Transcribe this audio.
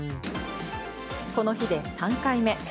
この日で３回目。